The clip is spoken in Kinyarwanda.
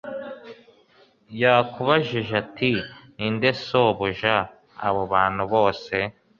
Yakubajije ati Ninde shobuja abo bantu bose